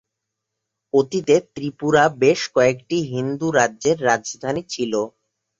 অতীতে ত্রিপুরা বেশ কয়েকটি হিন্দু রাজ্যের রাজধানী ছিল।